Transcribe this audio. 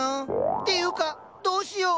っていうかどうしよう？